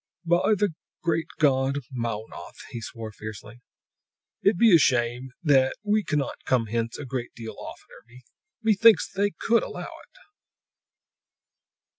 "By the great god Mownoth!" he swore fiercely. "It be a shame that we cannot come hence a great deal oftener! Me thinks They could allow it!"